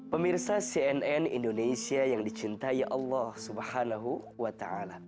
pemirsa cnn indonesia yang dicintai allah swt